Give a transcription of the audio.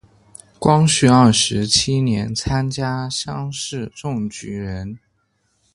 光绪二十七年参加乡试中举人。